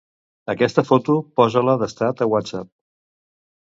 Aquesta foto, posa-la d'estat a Whatsapp.